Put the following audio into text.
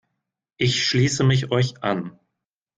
Ich schließe mich euch an.